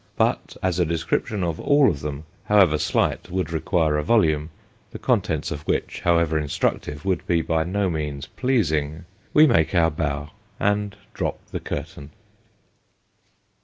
But as a description of all of them, however slight, would require a volume, the contents of which, however instructive, would be by no means pleasing, we make our bow, and drop the curtain.